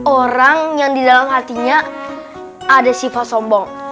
orang yang di dalam hatinya ada sifah sombong